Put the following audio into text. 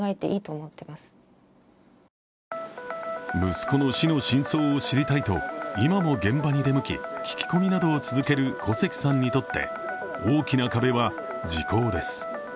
息子の死の真相を知りたいと今も現場に出向き、聞き込みなどを続ける小関さんにとって大きな壁は、時効です。